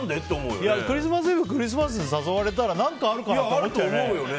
クリスマスに誘われたら何かあるかなと思っちゃうよね。